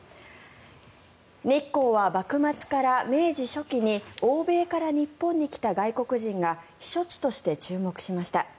日光は幕末から明治初期に欧米から日本に来た外国人が避暑地として注目しました。